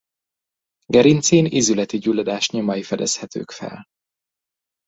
Gerincén ízületi gyulladás nyomai fedezhetők fel.